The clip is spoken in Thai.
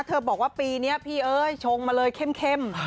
บอกว่าปีนี้พี่เอ้ยชงมาเลยเข้ม